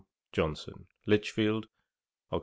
JOHNSON.' 'Lichfield, Oct.